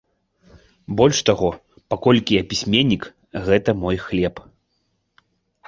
Больш таго, паколькі я пісьменнік, гэта мой хлеб.